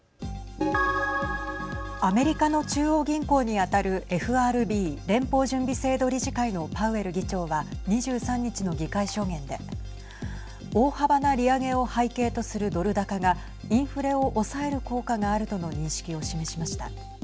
アメリカの中央銀行に当たるＦＲＢ＝連邦準備制度理事会のパウエル議長は２３日の議会証言で大幅な利上げを背景とするドル高がインフレを抑える効果があるとの認識を示しました。